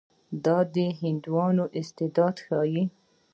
دا د هندیانو استعداد ښيي.